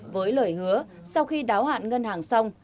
với lời hứa sau khi đáo hạn ngân hàng xong